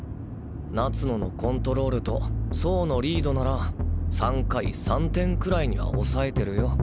夏野のコントロールと走のリードなら３回３点くらいには抑えてるよ。